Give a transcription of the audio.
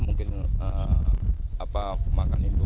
mungkin makan itu